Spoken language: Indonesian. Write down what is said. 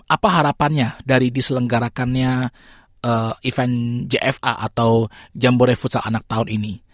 apa harapannya dari diselenggarakannya event jfa atau jambore futsal anak tahun ini